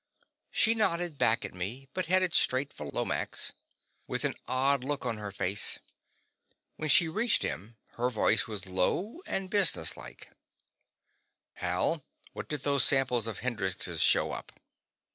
She nodded back at me, but headed straight for Lomax, with an odd look on her face. When she reached him, her voice was low and businesslike. "Hal, what did those samples of Hendrix's show up?"